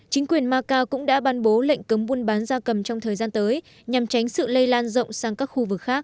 chính quyền macau cũng đã ban bố lệnh cấm buôn bán da cầm trong thời gian tới nhằm tránh sự lây lan rộng sang các khu vực khác